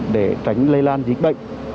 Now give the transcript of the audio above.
để tránh lây lan dịch bệnh